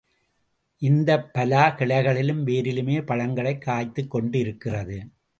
இந்தப் பலா கிளைகளிலும் வேரிலுமே பழங்களைக் காய்த்துக் கொண்டிருக்கிறது.